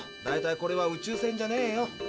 だいたいこれは宇宙船じゃねえよ。